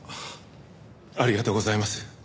ありがとうございます。